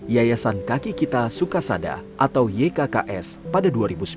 yayasan kaki kita sukasada atau ykks pada dua ribu sebelas